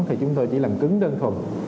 thì chúng tôi chỉ làm cứng đơn thuần